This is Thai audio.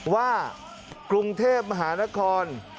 ว่ากรุงเทพมหานคร